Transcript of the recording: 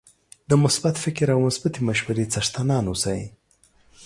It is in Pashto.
د مثبت فکر او مثبتې مشورې څښتنان اوسئ